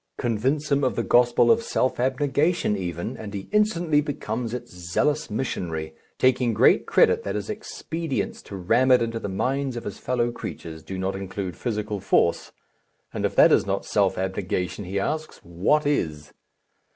Convince him of the gospel of self abnegation even, and he instantly becomes its zealous missionary, taking great credit that his expedients to ram it into the minds of his fellow creatures do not include physical force and if that is not self abnegation, he asks, what is?